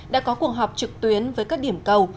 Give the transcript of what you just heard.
đã có cuộc họp trực tuyến với các điểm cầu